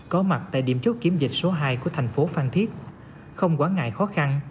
có mặt tại điểm chốt kiểm dịch số hai của thành phố phan thiết không quán ngại khó khăn